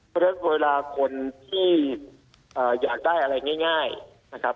เพราะฉะนั้นเวลาคนที่อยากได้อะไรง่ายนะครับ